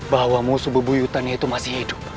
bahwa musuh bebu yutani itu masih hidup